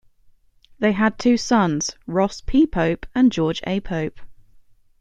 They had two sons, Ross P. Pope and George A. Pope.